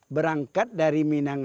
berangkat dari minanga